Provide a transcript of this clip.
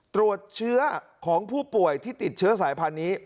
ตรวจเชื้อของผู้ป่วยที่ติดเชื้อสายพันธุ์นี้